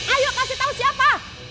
ayo kasih tau siapa